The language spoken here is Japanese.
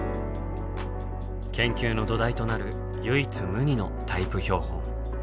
研究の土台となる唯一無二の「タイプ標本」。